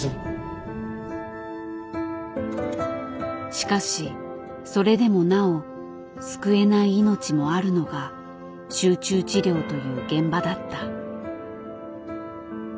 しかしそれでもなお救えない命もあるのが集中治療という現場だった。